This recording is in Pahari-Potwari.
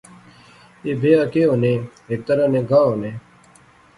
ایہہ بیاہ کہیہ ہونے ہیک طرح نے گاہ ہونے